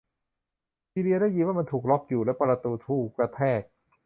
ซีเลียได้ยินว่ามันถูกล๊อคอยู่ และประตูถูกกระแทก